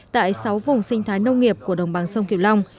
tại sáu vùng sinh thái nông nghiệp của đồng bằng sông kiều long